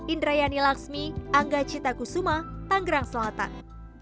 indrayani laksmi angga cittaku suma tanggerang selatan